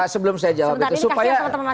sebelum saya jawab itu supaya